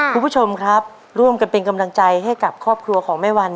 คุณผู้ชมครับร่วมกันเป็นกำลังใจให้กับครอบครัวของแม่วัน